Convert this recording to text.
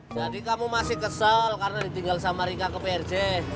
jadi kamu masih kesal karena ditinggal sama rika ke prj